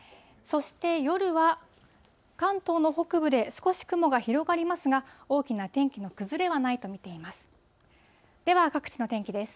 そして夜は関東の北部で少し雲が広がりますが、大きな天気の崩れはないと見ています。